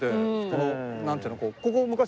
このなんていうの？